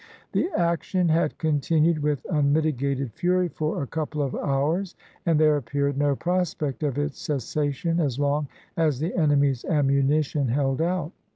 The action had continued with unmitigated fury for a couple of hours, and there appeared no prospect of its cessation as long as the enemy's ammunition held out.